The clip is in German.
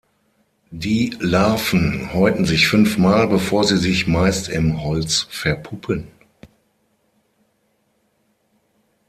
Die Larven häuten sich fünfmal, bevor sie sich meist im Holz verpuppen.